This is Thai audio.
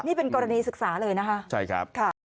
นี่เป็นกรณีศึกษาเลยนะคะใช่ครับค่ะ